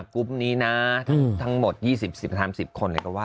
กลุ่มนี้นะทั้งหมด๒๐๓๐คน